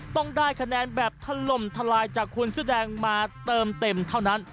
ต้องได้คะแนนแบบถล่มทลายจากคนเสื้อแดงมาเติมเต็มเท่านั้น